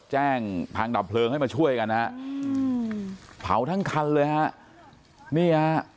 แจ้งทางดับเพลิงให้มาช่วยกันฮะอืมเผาทั้งคันเลยฮะนี่ฮะ